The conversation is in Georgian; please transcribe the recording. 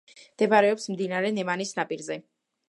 მდებარეობს მდინარე ნემანის ნაპირზე.